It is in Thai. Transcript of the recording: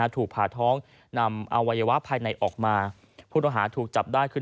ถูกผ่าท้องนำอวัยวะภายในออกมาผู้ต้องหาถูกจับได้คือ